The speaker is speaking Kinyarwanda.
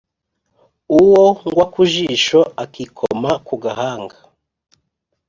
Uwo ngwa ku jisho akikoma ku gahanga